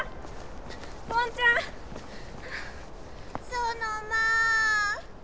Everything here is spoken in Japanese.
ソノマ！